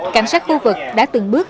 cảnh sát khu vực đã từng bước